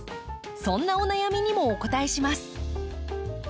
そんなお悩みにもお答えします。